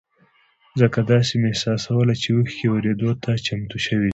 ځکه داسې مې احساسوله چې اوښکې ورېدو ته چمتو شوې دي.